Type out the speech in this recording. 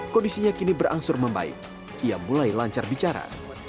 kondisinya kini berangsur membaik ia mulai lancar bicara